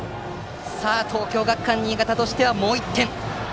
さあ東京学館新潟としてはもう１点！